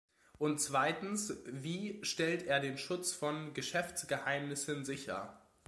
Und zweitens, wie stellt er den Schutz von Geschäftsgeheimnissen sicher?